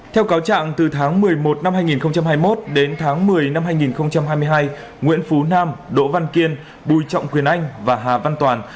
theo cáo trạng từ tháng một mươi một năm hai nghìn hai mươi một đến tháng một mươi năm hai nghìn hai mươi hai nguyễn phú nam đỗ văn kiên bùi trọng quyền anh và hà văn toàn